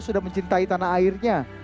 sudah mencintai tanah airnya